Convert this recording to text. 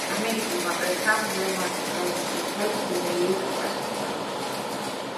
ამერიკულმა პრესამ რომანის გამოსვლას დუმილით უპასუხა.